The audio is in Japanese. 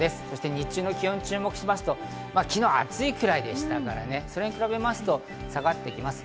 日中の気温に注目しますと昨日暑いぐらいでしたから、それに比べますと下がってきます。